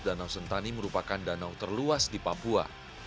danau sentani merupakan danau terluas di papua